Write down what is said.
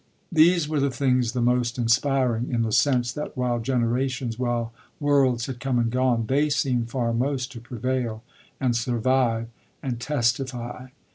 These were the things the most inspiring, in the sense that while generations, while worlds had come and gone, they seemed far most to prevail and survive and testify.